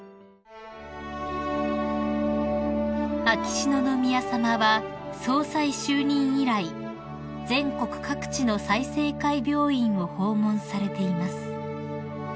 ［秋篠宮さまは総裁就任以来全国各地の済生会病院を訪問されています］